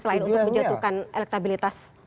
selain untuk menjatuhkan elektabilitas